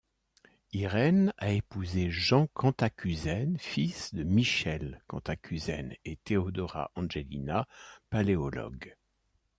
Irène a épousé Jean Cantacuzène, fils de Michel Cantacuzène et Theodora Angelina Paléologue.